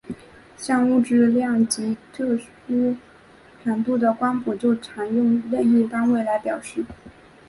像物质的量及特殊强度的光谱就常用任意单位来表示。